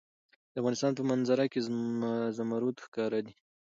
د افغانستان په منظره کې زمرد ښکاره ده.